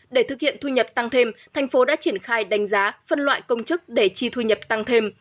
để thực hiện thu nhập tăng thêm thành phố đã triển khai đánh giá phân loại công chức để chi thu nhập tăng thêm